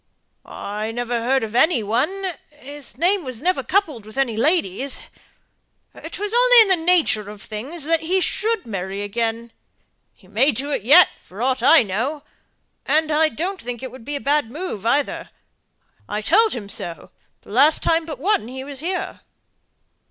"I never heard of any one his name was never coupled with any lady's 'twas only in the nature of things that he should marry again; he may do it yet, for aught I know, and I don't think it would be a bad move either. I told him so, the last time but one he was here."